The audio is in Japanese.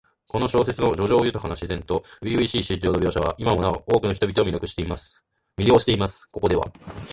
この小説の叙情豊かな自然と初々しい心情の描写は、今なお多くの人々を魅了しています。ここでは、